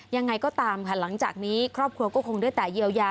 ยังไงก็ตามค่ะหลังจากนี้ครอบครัวก็คงได้แต่เยียวยา